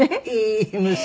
いい娘。